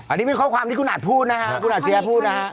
อันนี้เป็นข้อความที่คุณอาจพูดนะครับคุณอาจเสียพูดนะครับ